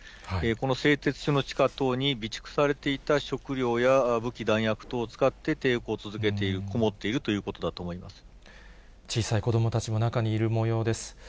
この製鉄所の地下等に備蓄されていた食料や武器、弾薬等を使って抵抗を続けている、こもっているということだと思い小さい子どもたちも中にいるもようです。